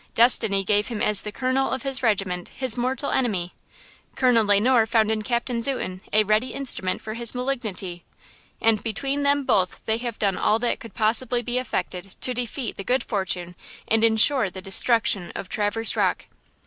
Destiny gave him as the Colonel of his regiment his mortal enemy. Colonel Le Noir found in Captain Zuten a ready instrument for his malignity. And between them both they have done all that could possibly be effected to defeat the good fortune and insure the destruction of Traverse Rocke.